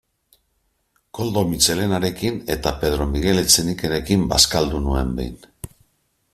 Koldo Mitxelenarekin eta Pedro Miguel Etxenikerekin bazkaldu nuen behin.